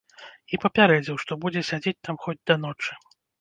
І папярэдзіў, што будзе сядзець там хоць да ночы.